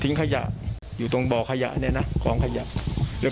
ติ๊งขยะอยู่ตรงขยะเนี่ยนะยาวก็ยืนอย่างนั้น